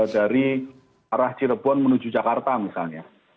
dari arah cirebon menuju jakarta misalnya